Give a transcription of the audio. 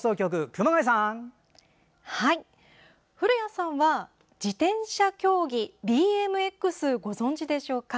古谷さんは自転車競技ＢＭＸ、ご存じでしょうか？